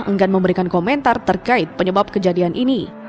enggan memberikan komentar terkait penyebab kejadian ini